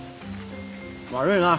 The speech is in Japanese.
悪いなぁ。